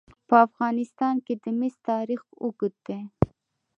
په افغانستان کې د مس تاریخ اوږد دی.